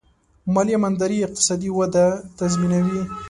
مالي امانتداري اقتصادي ودې تضمینوي.